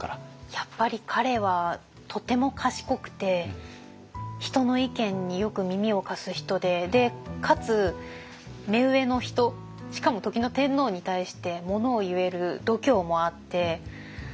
やっぱり彼はとても賢くて人の意見によく耳を貸す人でかつ目上の人しかも時の天皇に対してものを言える度胸もあって。